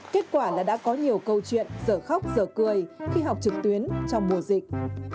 kết quả là đã có hiểu câu chuyện sở khóc sở cười khi học trực tuyến trong mùa dịch